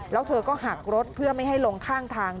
แล้วเธอก็หักรถเพื่อไม่ให้ลงข้างทาง